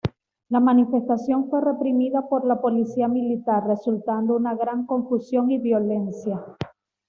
La manifestación fue reprimida por la Policía Militar, resultando una gran confusión y violencia.